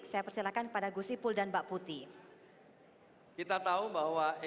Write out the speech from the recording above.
saya persilakan kepada gusipu dan mbak putih